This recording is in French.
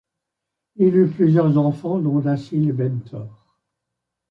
Il eut plusieurs enfants, dont: Dácil et Bentor.